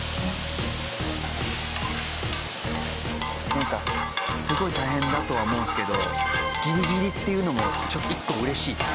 なんかすごい大変だとは思うんですけどギリギリっていうのも一個嬉しい。